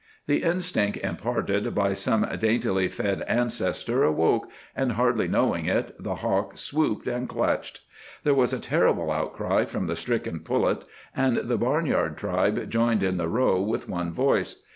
The instinct imparted by some daintily fed ancestor awoke, and hardly knowing it, the hawk swooped and clutched. There was a terrible outcry from the stricken pullet, and the barnyard tribe joined in the row with one voice.